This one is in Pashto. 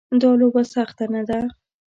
دا لوبه سخته نه ده.